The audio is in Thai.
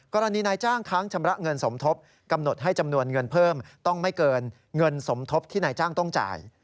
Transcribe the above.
กรณีนายจ้างค้างชำระเงินสมทบกำหนดให้จำนวนเงินเพิ่มต้องไม่เกินเงินสมทบที่นายจ้างต้องจ่าย